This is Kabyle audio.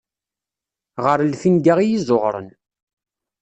Ɣer lfinga iyi-ẓuɣṛen.